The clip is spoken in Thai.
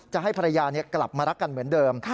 จะให้ภรรยากลับมารักกันเหมือนเดิม